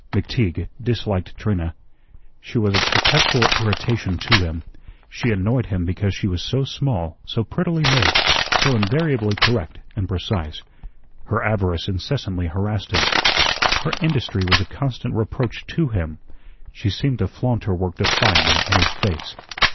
McTeague disliked Trina. She was a perpetual irritation to him. She annoyed him because she was so small, so prettily made, so invariably correct and precise. Her avarice incessantly harassed him. Her industry was a constant reproach to him. She seemed to flaunt her work defiantly in his face.